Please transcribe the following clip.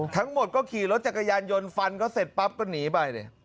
ทั้งหมดก็ขี่รถจักรยานยนต์ฟันเขาเสร็จปั๊บก็หนีไปดิ